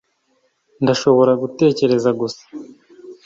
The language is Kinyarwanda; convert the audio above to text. ndashobora gutekereza gusa